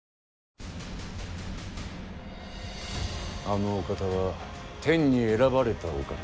あのお方は天に選ばれたお方。